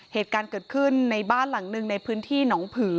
เหตุการณ์เกิดขึ้นในบ้านหลังหนึ่งในพื้นที่หนองผือ